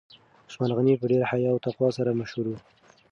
عثمان غني په ډیر حیا او تقوا سره مشهور و.